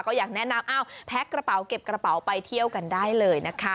ก็อยากแนะนำอ้าวแพ็คกระเป๋าเก็บกระเป๋าไปเที่ยวกันได้เลยนะคะ